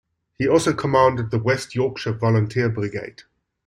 He also commanded the West-Yorkshire Volunteer Brigade.